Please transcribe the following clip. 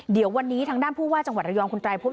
เดี๋ยววันนี้ทางด้านผู้ว่าจังหวัดระยองคุณไตรพุทธ